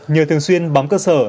nhờ thường xuyên bám cơ sở